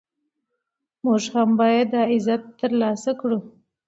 موږ هم باید دا عزت ترلاسه کړو.